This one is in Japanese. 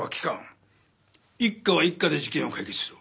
一課は一課で事件を解決しろ。